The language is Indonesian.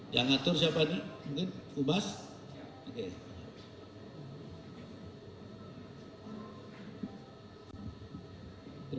waalaikumsalam warahmatullahi wabarakatuh